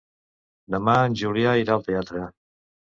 Demà en Julià irà al teatre.